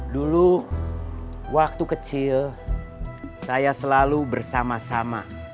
dulu waktu kecil saya selalu bersama sama